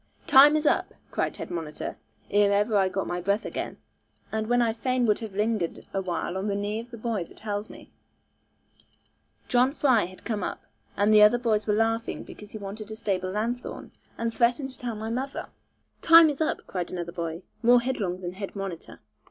'Time is up,' cried head monitor, ere ever I got my breath again; and when I fain would have lingered awhile on the knee of the boy that held me. John Fry had come up, and the boys were laughing because he wanted a stable lanthorn, and threatened to tell my mother. 'Time is up,' cried another boy, more headlong than head monitor.